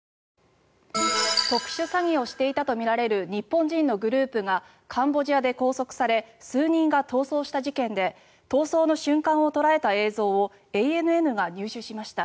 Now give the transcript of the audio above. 特殊詐欺をしていたとみられる日本人のグループがカンボジアで拘束され数人が逃走した事件で逃走の瞬間を捉えた映像をＡＮＮが入手しました。